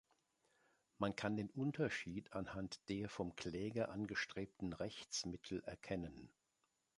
Man kann den Unterschied anhand der vom Kläger angestrebten Rechtsmittel erkennen.